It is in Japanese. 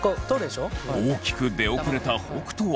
大きく出遅れた北斗は。